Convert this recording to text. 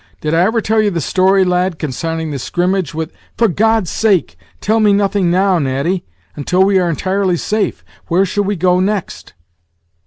Did I ever tell you the story, lad, consarning the scrimmage with " "For God's sake, tell me nothing now, Natty, until we are entirely safe. Where shall we go next?"